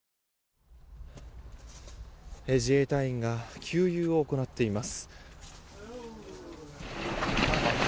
自衛隊員が給油を行っています。